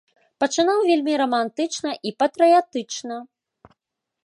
Пачынаў вельмі рамантычна і патрыятычна.